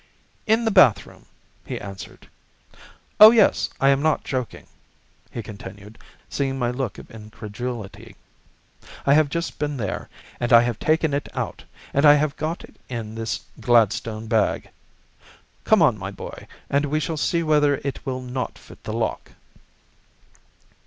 "In the bathroom," he answered. "Oh, yes, I am not joking," he continued, seeing my look of incredulity. "I have just been there, and I have taken it out, and I have got it in this Gladstone bag. Come on, my boy, and we shall see whether it will not fit the lock."